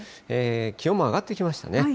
気温も上がってきましたね。